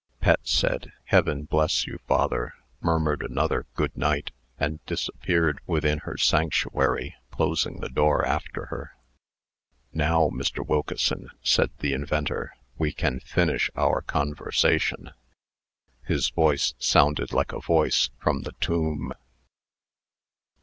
Pet said, "Heaven bless you, father," murmured another "Good night," and disappeared within her sanctuary, closing the door after her. "Now, Mr. Wilkeson," said the inventor, "we can finish our conversation." His voice sounded like a voice from the tomb.